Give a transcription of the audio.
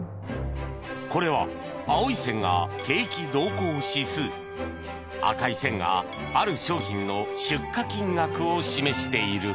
これは青い線が景気動向指数赤い線がある商品の出荷金額を示している